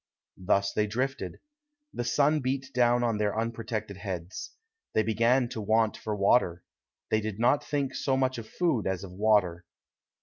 Thus they drifted. The sun beat down upon their unprotected heads. They began to want for water. They did not think so much of food as of water.